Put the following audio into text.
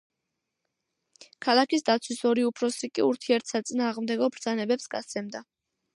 ქალაქის დაცვის ორი უფროსი კი ურთიერთსაწინააღმდეგო ბრძანებებს გასცემდა.